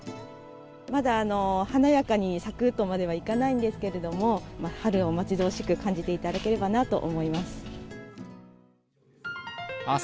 まだ華やかに咲くとまではいかないんですけれども、春を待ち遠しく感じていただければなと思います。